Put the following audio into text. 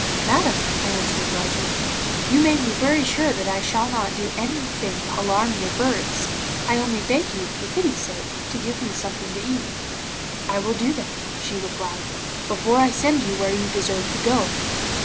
'"Madam," I answered, rising, "you may be very sure that I shall not do anything to alarm your birds. I only beg you, for pity's sake, to give me something to eat." '"I will do that," she replied, "before I send you where you deserve to go."